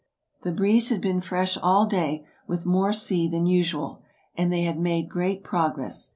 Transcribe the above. The breeze had been fresh all day, with more sea than usual, and they had made great progress.